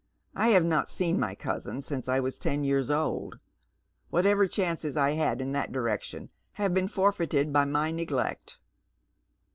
" I have never seen iny cousin since I was ten years old. Whatever chances I had in that direction have been forfeited by my neglect."